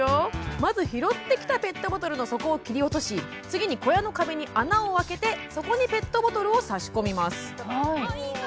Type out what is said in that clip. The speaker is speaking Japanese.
まず、拾ってきたペットボトルの底を切り落とし次に小屋の壁に穴を開けてそこにペットボトルを差し込みます。